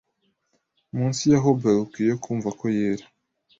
Munsi ya hauberk yo kumva ko yera